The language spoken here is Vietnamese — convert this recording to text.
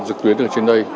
trực tuyến từ trên đây